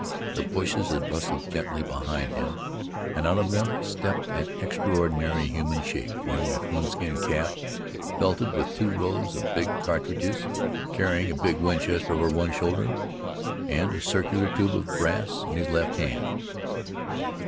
The bushes had rustled gently behind him and out from them stepped an extraordinary human shape wearing a coon skin cap, belted with two rows of big cartridges, carrying a big Winchester over one shoulder and a circular tube of brass in his left hand.